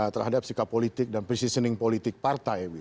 terhadap sikap politik dan positioning politik partai